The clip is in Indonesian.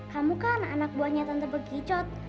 kamu kan anak buahnya tante berkicot